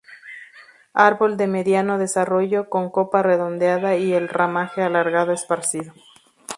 Árbol de mediano desarrollo, con copa redondeada, y el ramaje alargado esparcido.